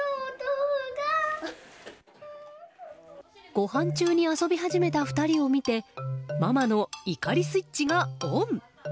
ごはん中に遊び始めた２人を見てママの怒りスイッチがオン。